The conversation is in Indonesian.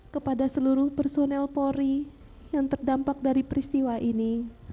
kepada seluruh personel polri yang terdampak dari peristiwa ini